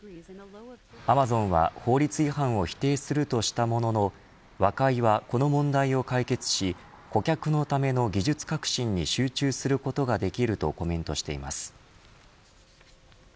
アマゾンは法律違反を否定するとしたものの和解は、この問題を解決し顧客のための技術革新に集中することができるとコメントしています。